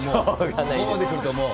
ここまでくると、もう。